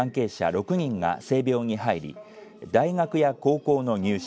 ６人が聖びょうに入り大学や高校の入試